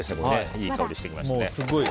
いい香りがしてきました。